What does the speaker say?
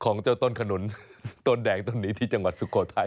ของเจ้าต้นขนุนต้นแดงต้นนี้ที่จังหวัดสุโขทัย